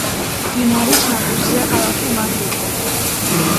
მდინარის ნაპირზეა ქალაქი მარიუპოლი.